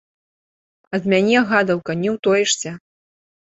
Ад мяне, гадаўка, не ўтоішся!